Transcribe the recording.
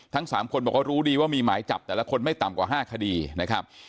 ทั้ง๓คนบอกว่ารู้ดีว่ามีหมายจับแต่ละคนไม่ต่ำกว่า๕คดีนะครับ